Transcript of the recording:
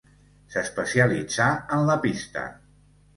S'especialitzà en la pista.